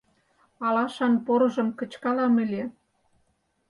Алашан порыжым кычкалам ыле.